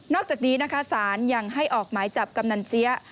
อกจากนี้นะคะสารยังให้ออกหมายจับกำนันเจี๊ยะ